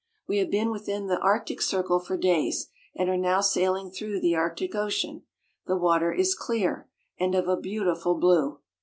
We have been within the Arctic Circle for days, and are now sailing through the Arctic Ocean. The water is clear and of a beautiful blue.